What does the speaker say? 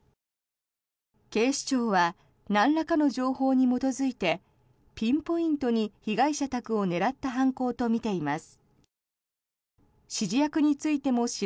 警視庁はなんらかの情報に基づいてピンポイントに被害者宅を狙った犯行とみています。